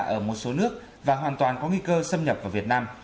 ở một số nước và hoàn toàn có nguy cơ xâm nhập vào việt nam